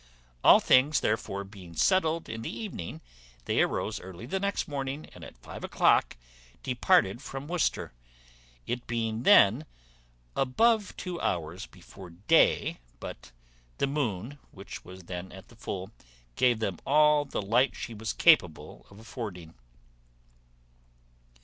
All things, therefore, being settled in the evening, they arose early the next morning, and at five o'clock departed from Worcester, it being then above two hours before day, but the moon, which was then at the full, gave them all the light she was capable of affording.